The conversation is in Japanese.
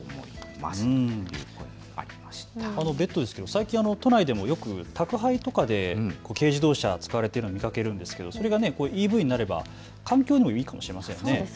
最近都内でも宅配とかで軽自動車、使われているのを見かけるんですが、それがＥＶになれば環境にもいいかもしれませんね。